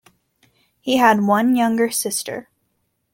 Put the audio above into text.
He had one younger sister.